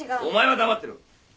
お前は黙ってろ！